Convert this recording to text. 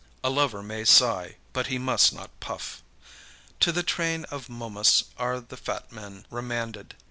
A lover may sigh, but he must not puff. To the train of Momus are the fat men remanded.